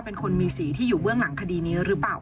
เป็นคนมีสีที่อยู่เบื้องหลังคดีนี้หรือเปล่า